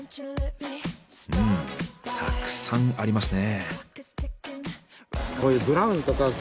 うんたくさんありますね。